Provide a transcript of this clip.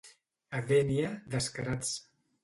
A Dénia, descarats.